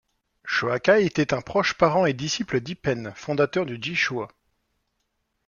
Shōkai était un proche parent et disciple d'Ippen, fondateur du Ji shū.